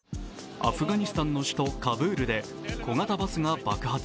アフガニスタンの首都カブールで小型バスが爆発。